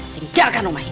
tinggalkan rumah ini